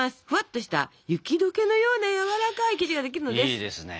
ふわっとした雪どけのようなやわらかい生地ができるのです。